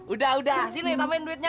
udah udah sini tapi duitnya